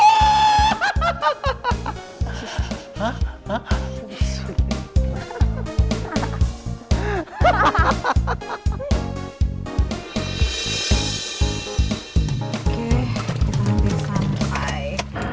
oke kita sampai